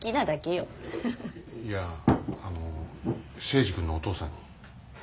いやあの征二君のお父さんに。